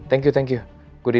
terima kasih terima kasih